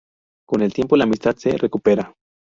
Con el tiempo, la amistad se recupera.